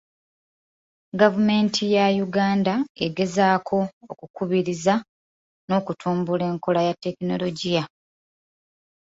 Gavumenti ya Uganda egezaako okukubiriza n'okutumbula enkola ya tekinologiya.